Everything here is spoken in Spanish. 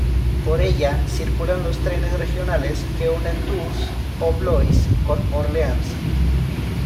Por ella circulan los trenes regionales que unen Tours o Blois con Orleans.